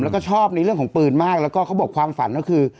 แล้วก็ชอบในเรื่องของปืนมากแล้วก็เขาบอกความฝันก็คือ